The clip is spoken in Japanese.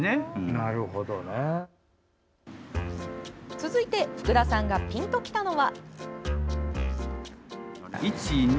続いて福田さんがピンときたのは。